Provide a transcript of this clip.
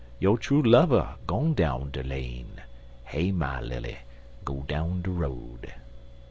Yo' true lover gone down de lane (Hey my Lily! go down de road!)."